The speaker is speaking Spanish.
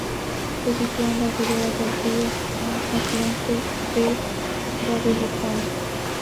Se sitúa en la ribera del río Luz, un afluente del Gave de Pau.